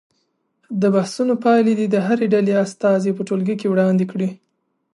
د بحثونو پایلې دې د هرې ډلې استازي په ټولګي کې وړاندې کړي.